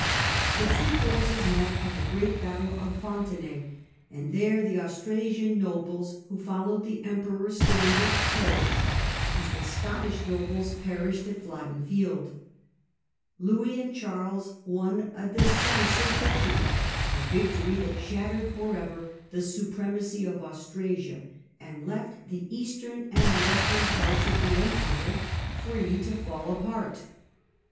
The two forces met at the great battle of Fontenay, and there the Austrasian nobles who followed the Emperor's standard perished, as the Scottish nobles perished at Flodden Field. Louis and Charles won a decisive victory — a victory that shattered for ever the supremacy of Australia and left the eastern and western parts of the Empire free to fall apart.